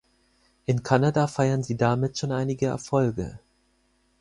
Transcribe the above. In Kanada feiern sie damit schon einige Erfolge.